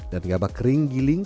dan gabah kering giling